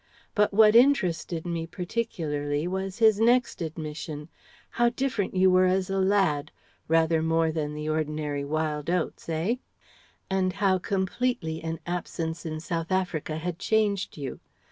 But what interested me particularly was his next admission: how different you were as a lad rather more than the ordinary wild oats eh? And how completely an absence in South Africa had changed you.